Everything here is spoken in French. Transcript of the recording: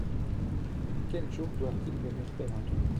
Quel jour doivent-ils venir faire un tour ?